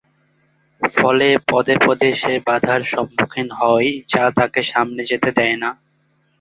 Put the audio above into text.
ফলে পদে পদে সে বাধার সম্মুখীন হয় যা তাকে সামনে যেতে দেয় না।